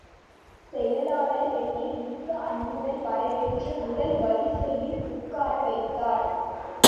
செயலாளர் என்னை மிக்க அன்புடன் வரவேற்று முதல் வரிசையில் உட்கார வைத்தார்.